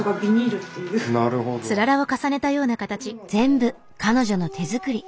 全部彼女の手作り。